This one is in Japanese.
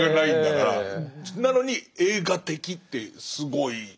なのに「映画的」ってすごい。